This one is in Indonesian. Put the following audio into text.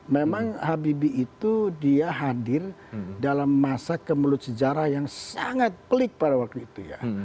memang habibie itu dia hadir dalam masa kemelut sejarah yang sangat pelik pada waktu itu ya